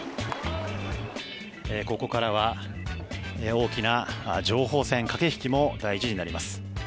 ここからは大きな情報戦、駆け引きも大事になります。